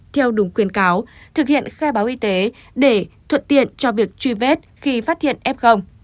theo đúng khuyên cáo thực hiện khai báo y tế để thuận tiện cho việc truy vết khi phát hiện f